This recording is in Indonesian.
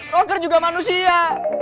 roker juga manusia